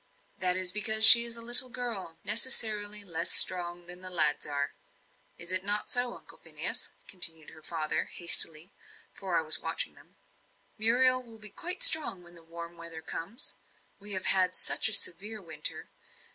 "That is because she is a little girl, necessarily less strong than the lads are. Is it not so, Uncle Phineas?" continued her father, hastily, for I was watching them. "Muriel will be quite strong when the warm weather comes. We have had such a severe winter.